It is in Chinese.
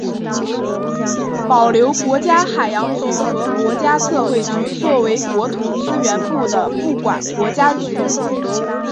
保留国家海洋局和国家测绘局作为国土资源部的部管国家局。